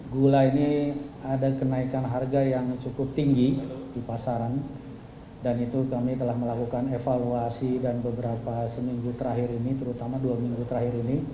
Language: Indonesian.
gula ini ada kenaikan harga yang cukup tinggi di pasaran dan itu kami telah melakukan evaluasi dan beberapa seminggu terakhir ini terutama dua minggu terakhir ini